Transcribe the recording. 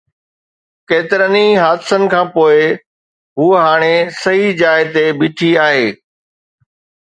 ڪيترن ئي حادثن کان پوءِ، هوءَ هاڻي صحيح جاءِ تي بيٺي آهي.